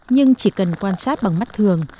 nhưng chỉ cần quan sát bằng mắt thường